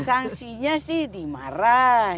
sanksinya sih dimarah